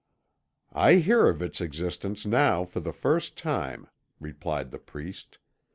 "I hear of its existence now for the first time," replied the priest.